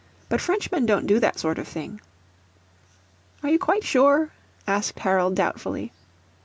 But Frenchmen don't do that sort of thing." "Are you quite sure?" asked Harold doubtfully.